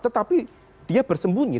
tetapi dia bersembunyi